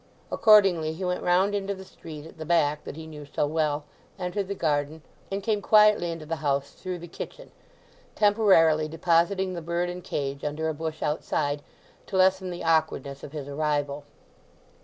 Accordingly he went round into the street at the back that he knew so well, entered the garden, and came quietly into the house through the kitchen, temporarily depositing the bird and cage under a bush outside, to lessen the awkwardness of his arrival.